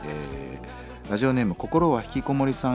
ラジオネーム心はひきこもりさん。